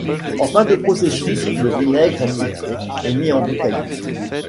En fin de processus, le vinaigre est filtré et mis en bouteille.